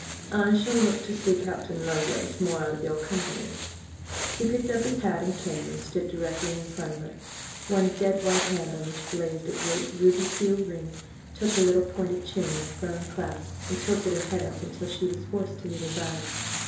"I shall look to see Captain Lovelace more out of your company." He picked up his hat and cane and stood directly in front of her. One dead white hand, on which blazed a great ruby seal ring, took her little pointed chin in a firm clasp and tilted her head up until she was forced to meet his eyes.